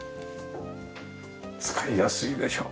使いやすいでしょ。